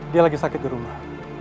dia lagi sakit di rumah